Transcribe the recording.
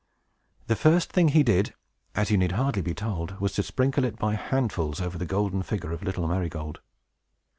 The first thing he did, as you need hardly be told, was to sprinkle it by handfuls over the golden figure of little Marygold.